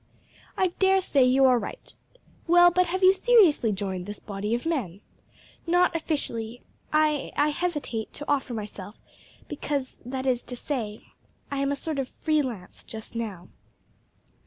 "I dare say you are right. Well, but have you seriously joined this body of men?" "Not officially. I I hesitate to offer myself, because that is to say, I am a sort of free lance just now."